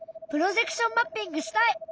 プロジェクションマッピングしたい！